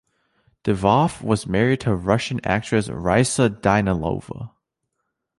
Divoff was married to Russian actress Raissa Danilova.